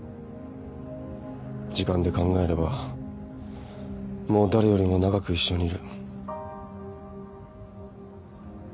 時間で考えればもう誰よりも長く一緒にいる。